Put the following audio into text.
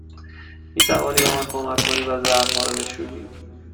می توانی به من کمک کنی و ظرف ها را بشویی؟